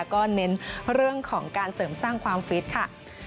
ก็เน้นเรื่องของการเสริมสร้างความฟิตค่ะ